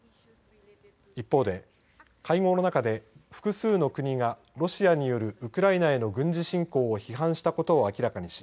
一方で、会合の中で複数の国がロシアによるウクライナへの軍事侵攻を批判したことを明らかにし